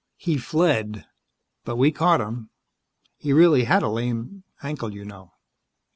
"He fled, but we caught him. He really had a lame ankle, you know."